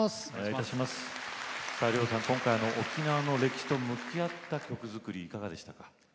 ＲＹＯさん、今回沖縄の歴史と向き合った曲作りはいかがでしたか？